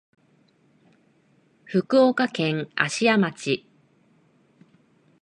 福岡県芦屋町